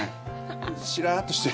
しらーっとしてる。